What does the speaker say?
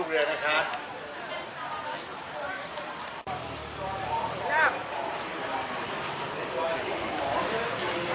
ก็อยากได้เลย